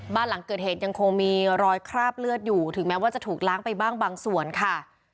บ้านหลังเกิดเหตุยังคงมีรอยคราบเลือดอยู่ถึงแม้ว่าจะถูกล้างไปบ้างบางส่วนค่ะ